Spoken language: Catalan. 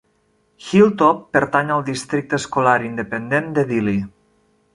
Hilltop pertany al districte escolar independent de Dilley.